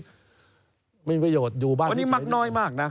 มีประโยชน์อยู่บ้างวันนี้มักน้อยมากนะ